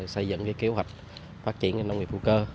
xây dựng kế hoạch phát triển nông nghiệp hữu cơ